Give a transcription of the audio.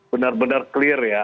benar benar clear ya